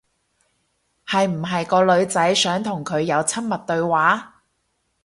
係唔係個女仔想同佢有親密對話？